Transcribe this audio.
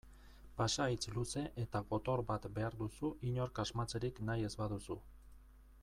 Pasahitz luze eta gotor bat behar duzu inork asmatzerik nahi ez baduzu.